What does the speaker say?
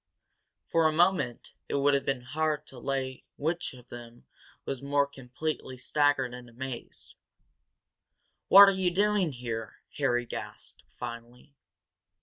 For a moment it would have been hard to lay which of them was more completely staggered and amazed. "What are you doing here?" Harry gasped, finally.